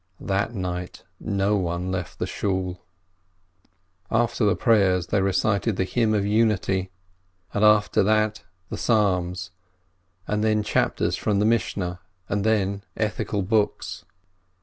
That night no one left the Shool, After the prayers they recited the Hymn of Unity, and after that the Psalms, and then chapters from the Mishnah, and then ethical books.